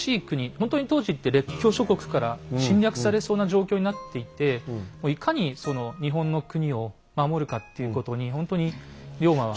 本当に当時って列強諸国から侵略されそうな状況になっていてもういかにその日本の国を守るかっていうことにほんとに龍馬は。